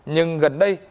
nhưng gần đây